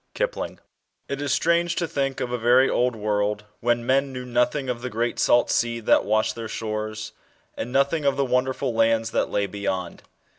KIPLING. IT i^ strange to think of a very old world, when men knew nothing of the great salt sea that washed their shores, and nothing of the wonder ful lands, that lay beyond.